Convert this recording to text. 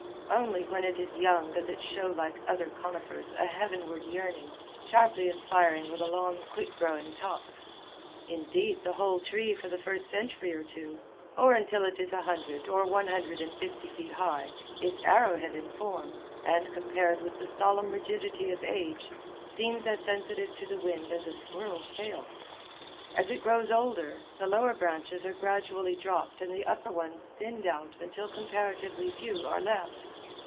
Only when it is young does it show like other conifers a heavenward yearning, sharply aspiring with a long quick growing top. Indeed, the whole tree for the first century or two, or until it is a hundred or one hundred and fifty feet high, is arrowhead in form, and, compared with the solemn rigidity of age, seems as sensitive to the wind as a squirrel's tail. As it grows older, the lower branches are gradually dropped and the upper ones thinned out until comparatively few are left.